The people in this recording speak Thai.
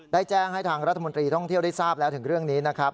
ได้แจ้งให้ทางรัฐมนตรีท่องเที่ยวได้ทราบแล้วถึงเรื่องนี้นะครับ